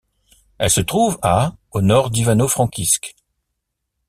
Elle se trouve à au nord d'Ivano-Frankivsk.